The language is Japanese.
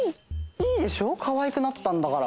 いいでしょかわいくなったんだから！